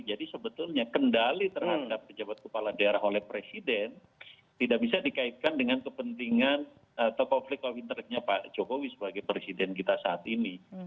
jadi sebetulnya kendali terhadap pejabat kepala daerah oleh presiden tidak bisa dikaitkan dengan kepentingan atau konflik covid sembilan belas nya pak jokowi sebagai presiden kita saat ini